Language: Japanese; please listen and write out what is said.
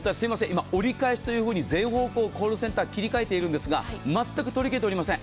今、折り返しというふうに全方向、コールセンター切り替えているんですが全く取り切れておりません。